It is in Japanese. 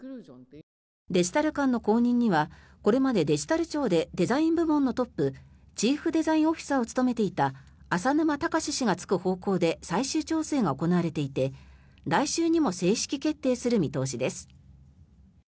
デジタル監の後任にはこれまでデジタル庁でデザイン部門のトップチーフデザインオフィサーを務めていた浅沼尚氏が就く方向で最終調整が行われていて来週にも正式決定する見通しです。